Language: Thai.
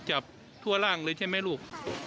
อ๋อจับทั่วร่างเลยใช่มั้ยลูก